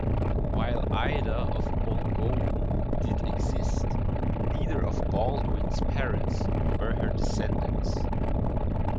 While Ida of Boulogne did exist, neither of Baldwin's parents were her descendants.